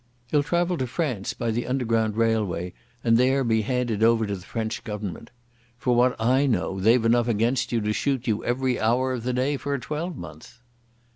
You'll travel to France by the Underground Railway and there be handed over to the French Government. From what I know they've enough against you to shoot you every hour of the day for a twelvemonth."